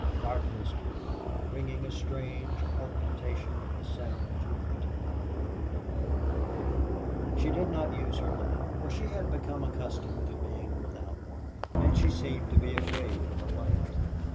Darkness came, bringing a strange augmentation of the sounds with which Allie had become familiar. She did not use her lamp, for she had become accustomed to being without one, and she seemed to be afraid of a light.